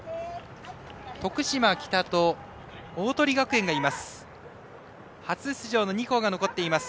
徳島北と鵬学園がいます。